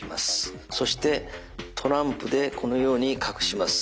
そしてトランプでこのように隠します。